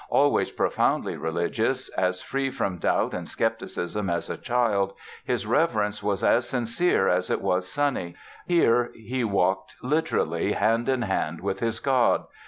Always profoundly religious, as free from doubt and skepticism as a child, his reverence was as sincere as it was sunny. Here he walked, literally, "hand in hand with his God".